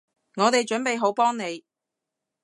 我哋準備好幫你